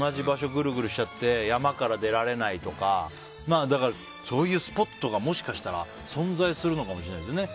ぐるぐるしちゃって山から出られないとかだから、そういうスポットがもしかしたら存在するのかもしれないですね。